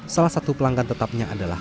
salah satu pelanggan tetapnya adalah